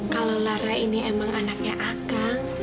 kalau lara ini emang anaknya aka